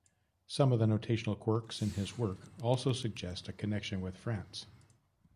Some of the notational quirks in his work also suggest a connection with France.